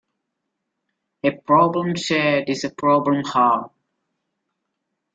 A problem shared is a problem halved.